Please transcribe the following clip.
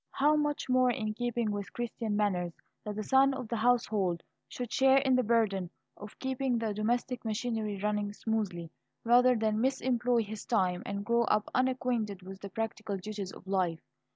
How much more in keeping with Christian manners that the son of the household should share in the burden of keeping the domestic machinery running smoothly, rather than misemploy his time, and grow up unacquainted with the practical duties of life!